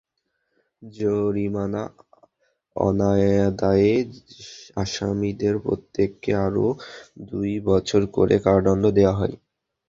জরিমানা অনাদায়ে আসামিদের প্রত্যেককে আরও দুই বছর করে কারাদণ্ড দেওয়া হয়।